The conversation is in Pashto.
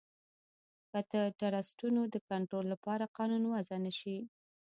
که د ټرسټونو د کنترول لپاره قانون وضعه نه شي